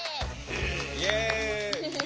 イエイ！